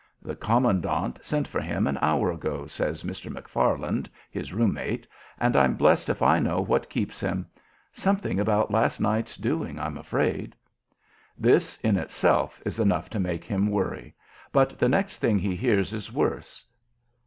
"The commandant sent for him an hour ago," says Mr. McFarland, his room mate, "and I'm blessed if I know what keeps him. Something about last night's doings, I'm afraid." This, in itself, is enough to make him worry, but the next thing he hears is worse.